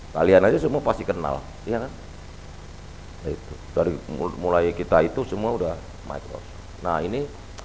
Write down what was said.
kalian aja semua pasti kenal iya kan itu dari mulai kita itu semua udah microp nah ini